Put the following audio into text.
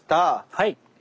はい。